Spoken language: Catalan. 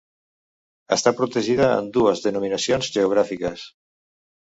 Està protegida en dues denominacions geogràfiques: